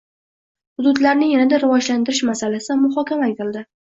Hududlarni yanada rivojlantirish masalasi muhokama etilding